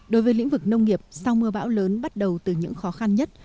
đối với lĩnh vực nông nghiệp sau mưa bão lớn bắt đầu từ những khó khăn nhất